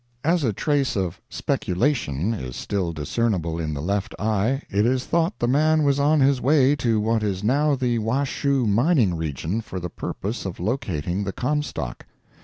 As a trace of "speculation" is still discernible in the left eye, it is thought the man was on his way to what is now the Washoe mining region for the purpose of locating the Comstock.